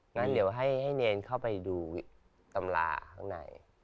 งั้นเดี๋ยวให้เนรเข้าไปดูตำราข้างใน